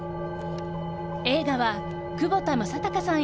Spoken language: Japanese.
映画は窪田正孝さん